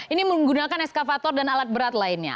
ini menggunakan eskavator dan alat berat lainnya